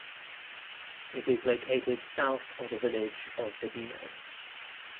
It is located south of the village of Vedeno.